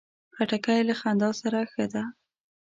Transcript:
خټکی له خندا سره ښه ده.